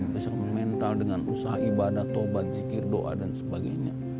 bisa mental dengan usaha ibadah taubat zikir doa dan sebagainya